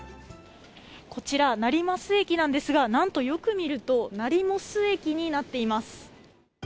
こちら、成増駅なんですが、なんとよく見ると、なりもす駅になっています。